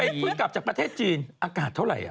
คุณกลับจากประเทศจีนอากาศเท่าไหร่อ่ะ